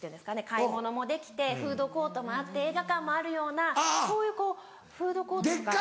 買い物もできてフードコートもあって映画館もあるようなそういうフードコートとか。